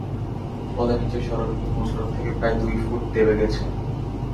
ফলে নিচের সড়কটি মূল সড়ক থেকে প্রায় দুই ফুট দেবে গেছে।